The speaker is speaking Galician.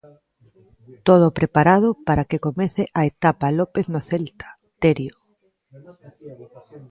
Todo preparado para que comece a etapa López no Celta, Terio.